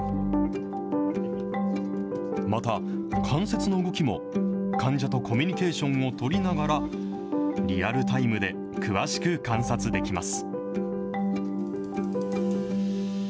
また、関節の動きも患者とコミュニケーションを取りながら、リアルタイムで詳しく観察できます。